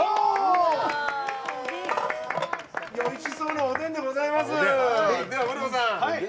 おいしそうなおでんでございます。